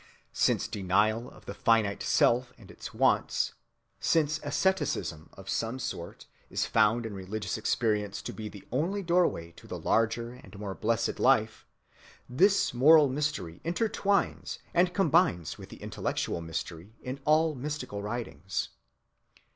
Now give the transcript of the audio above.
Since denial of the finite self and its wants, since asceticism of some sort, is found in religious experience to be the only doorway to the larger and more blessed life, this moral mystery intertwines and combines with the intellectual mystery in all mystical writings.